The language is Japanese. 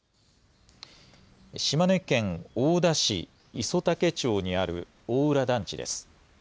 島根県大田市五十猛町にある大浦団地です。